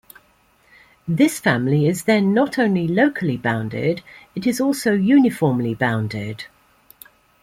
This family is then not only locally bounded, it is also uniformly bounded.